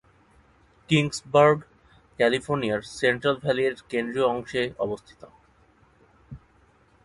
Kingsburg ক্যালিফোর্নিয়ার central ভ্যালির কেন্দ্রীয় অংশে অবস্থিত।